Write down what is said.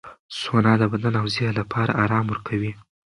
سونا د بدن او ذهن لپاره آرام ورکوي.